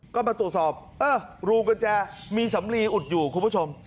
ก็มาตรวจสอบเออรูกุญแจมีสำลีอุดอยู่คุณผู้ชม